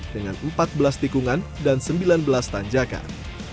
dengan empat belas tikungan dan sembilan belas tanjakan